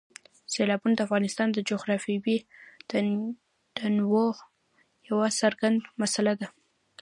سیلابونه د افغانستان د جغرافیوي تنوع یو څرګند مثال دی.